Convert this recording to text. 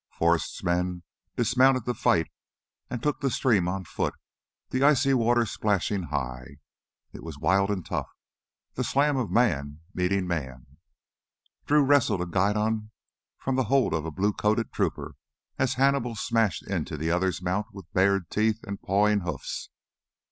Forrest's men dismounted to fight and took the stream on foot, the icy water splashing high. It was wild and tough, the slam of man meeting man. Drew wrested a guidon from the hold of a blue coated trooper as Hannibal smashed into the other's mount with bared teeth and pawing hoofs.